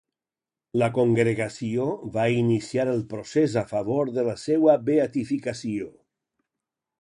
La congregació va iniciar el procés a favor de la seua beatificació.